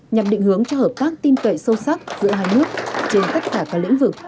nhằm định hướng cho hợp tác tin cậy sâu sắc giữa hai nước trên tất cả các lĩnh vực